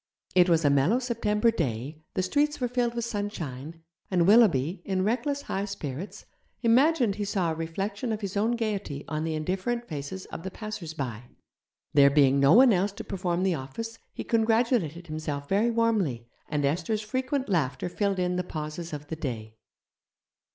It was a mellow September day, the streets were filled with sunshine, and Willoughby, in reckless high spirits, imagined he saw a reflection of his own gaiety on the indifferent faces of the passersby. There being no one else to perform the office, he congratulated himself very warmly, and Esther's frequent laughter filled in the pauses of the day.